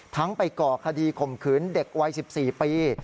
ไปก่อคดีข่มขืนเด็กวัย๑๔ปี